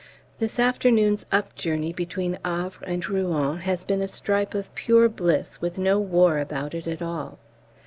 This afternoon's up journey between Havre and Rouen has been a stripe of pure bliss with no war about it at all.